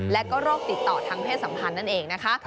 และก็โรคติดต่อทางเพศสัมพันธ์นั่นเองนะคะ